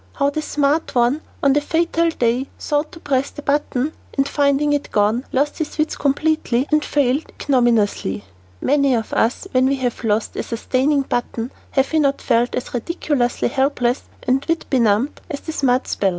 How the smart one on the fatal day sought to "press the button" and finding it gone, lost his wits completely and failed ignominiously? Many of us when we have lost a sustaining button, have we not felt as ridiculously helpless and wit benumbed as the smart speller?